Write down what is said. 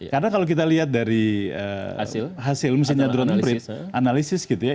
karena kalau kita lihat dari hasil misalnya drone print analisis gitu ya